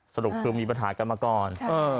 สรุปคือมีปัญหากันมาก่อน